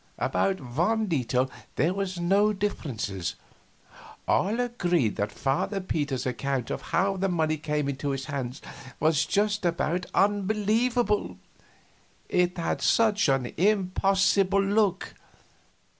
About one detail there were no differences; all agreed that Father Peter's account of how the money came into his hands was just about unbelievable it had such an impossible look.